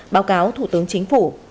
báo cáo thủ tướng chính phủ